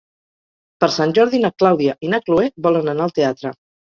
Per Sant Jordi na Clàudia i na Cloè volen anar al teatre.